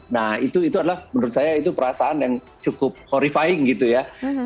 nah itu adalah menurut saya itu perasaan yang cukup horifying gitu ya